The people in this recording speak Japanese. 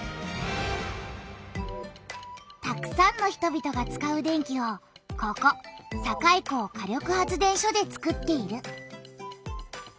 たくさんの人々が使う電気をここ堺港火力発電所でつくっている。